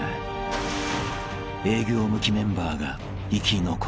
［営業向きメンバーが生き残り］